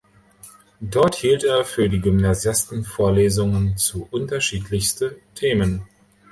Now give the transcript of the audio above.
Dort hielt er für die Gymnasiasten Vorlesungen zu unterschiedlichste Themen.